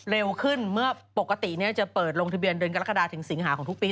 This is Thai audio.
เร็วขึ้นเมื่อปกติจะเปิดลงทะเบียนเดือนกรกฎาถึงสิงหาของทุกปี